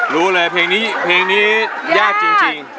รู้เลยเพลงนี้เพลงนี้ยากจริง